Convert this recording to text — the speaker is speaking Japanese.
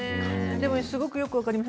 でもすごくよく分かります。